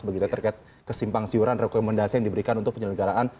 begitu terkait kesimpang siuran rekomendasi yang diberikan untuk penyelenggaraan